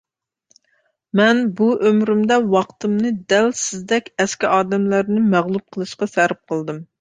مەن بۇ ئۆمرۈمدە، ۋاقتىمنى دەل سىزدەك ئەسكى ئادەملەرنى مەغلۇپ قىلىشقا سەرپ قىلدىم.